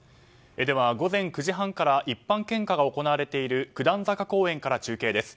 では、午前９時半から一般献花が行われている九段坂公園から中継です。